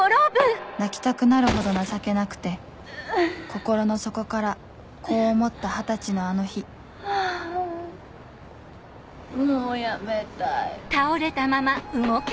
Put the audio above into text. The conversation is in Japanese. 泣きたくなるほど情けなくて心の底からこう思った二十歳のあの日もう辞めたい。